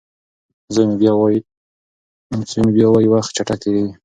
زوی مې بیا وايي وخت چټک تېریږي.